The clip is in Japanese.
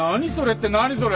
って何それ？